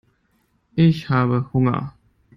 Ich habe Hunger.